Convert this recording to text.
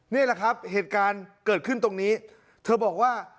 นี่แหละครับเหตุการณ์เกิดขึ้นตรงนี้เธอบอกว่า